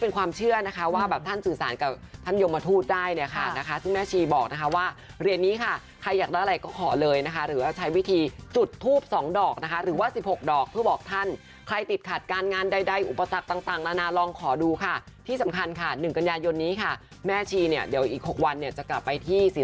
เป็นความเชื่อนะคะว่าแบบท่านสื่อสารกับท่านยมทูตได้เนี่ยค่ะนะคะซึ่งแม่ชีบอกนะคะว่าเหรียญนี้ค่ะใครอยากได้อะไรก็ขอเลยนะคะหรือว่าใช้วิธีจุดทูป๒ดอกนะคะหรือว่า๑๖ดอกเพื่อบอกท่านใครติดขัดการงานใดอุปสรรคต่างนานาลองขอดูค่ะที่สำคัญค่ะ๑กันยายนนี้ค่ะแม่ชีเนี่ยเดี๋ยวอีก๖วันเนี่ยจะกลับไปที่ศรี